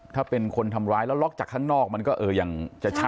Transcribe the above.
ถ้าเป็นคนทำร้ายแล้วล็อกจากข้างนอกมันก็ยังจะชัด